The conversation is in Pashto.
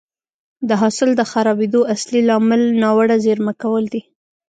د حاصل د خرابېدو اصلي لامل ناوړه زېرمه کول دي